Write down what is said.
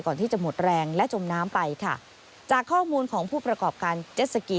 ก่อนที่จะหมดแรงและจมน้ำไปค่ะจากข้อมูลของผู้ประกอบการเจ็ดสกี